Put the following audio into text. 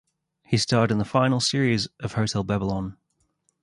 He starred in the final series of "Hotel Babylon".